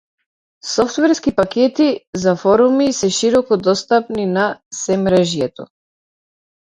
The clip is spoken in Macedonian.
Софтверски пакети за форуми се широко достапни на семрежјето.